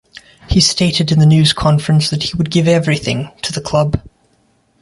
He stated in the news conference that he would "give everything" to the club.